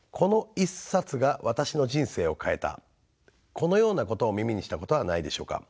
このようなことを耳にしたことはないでしょうか。